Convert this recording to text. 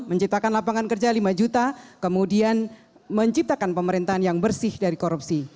menciptakan lapangan kerja lima juta kemudian menciptakan pemerintahan yang bersih dari korupsi